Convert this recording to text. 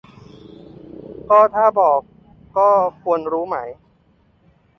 ก็ถ้าบอกก็ควรรู้ไหม